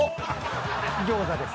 餃子です。